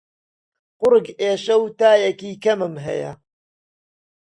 قوڕگ ئێشە و تایەکی کەمم هەیە.